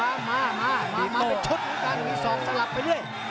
มามามาเป็นชุดตั้งแต่อีก๒สลับไปด้วย